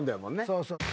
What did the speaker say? そうそう。